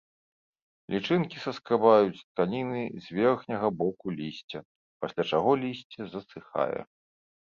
Лічынкі саскрабаюць тканіны з верхняга боку лісця, пасля чаго лісце засыхае.